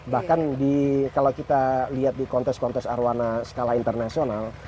bahkan kalau kita lihat di kontes kontes arwana skala internasional